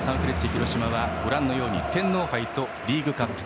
広島はご覧のように天皇杯とリーグカップ